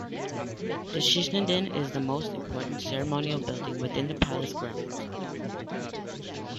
The "Shishinden" is the most important ceremonial building within the palace grounds.